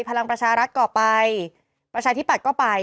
พลังประชารักษ์ก็เอาไปประชาที่๘ก็ไป